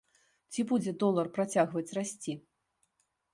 Ці будзе долар працягваць расці?